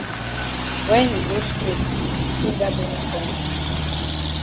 When you go straight you take dat benin corner.